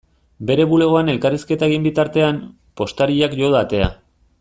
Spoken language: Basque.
Bere bulegoan elkarrizketa egin bitartean, postariak jo du atea.